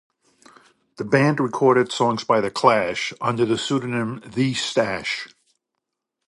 The band recorded songs by The Clash under the pseudonym Thee Stash.